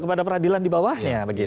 kepada peradilan di bawahnya